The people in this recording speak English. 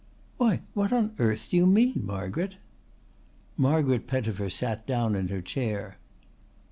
"Why, what on earth do you mean, Margaret?" Margaret Pettifer sat down in her chair.